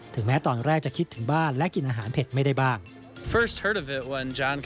แม้ตอนแรกจะคิดถึงบ้านและกินอาหารเผ็ดไม่ได้บ้าง